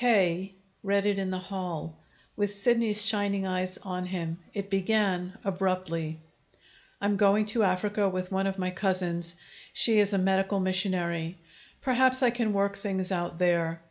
K. read it in the hall, with Sidney's shining eyes on him. It began abruptly: "I'm going to Africa with one of my cousins. She is a medical missionary. Perhaps I can work things out there.